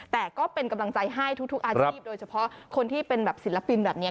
แต่ก็เป็นกำลังใจให้ทุกอาชีพโดยเฉพาะคนที่เป็นแบบศิลปินแบบนี้